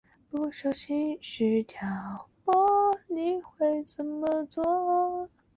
转移到香港的师团剩余单位不久即参加了豫湘桂会战中的湘桂会战攻占南宁。